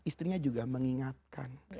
istrinya juga mengingatkan